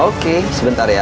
oke sebentar ya